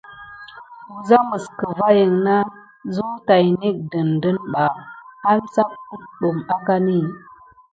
Wəza məs kəvayiŋ na zəw tay nék dəɗəne ɓa, amsak aɗum akani.